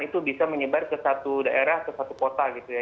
itu bisa menyebar ke satu daerah ke satu kota gitu ya